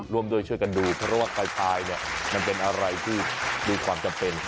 ร่วมด้วยช่วยกันดูเพราะว่ากายเนี่ยมันเป็นอะไรที่มีความจำเป็น